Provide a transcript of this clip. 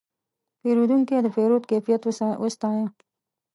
پیرودونکی د پیرود کیفیت وستایه.